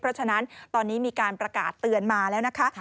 เพราะฉะนั้นตอนนี้มีการประกาศเตือนมาแล้วนะคะ